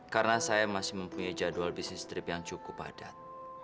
karena saya masih mempunyai jadwal bisnis trip yang cukup padat